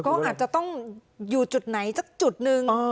เขาอาจจะต้องอยู่จุดไหนสักจุดนึง